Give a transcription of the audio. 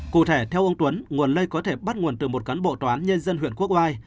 cụ thể theo ông tuấn nguồn lây có thể bắt nguồn từ một cán bộ tòa án nhân dân huyện quốc oai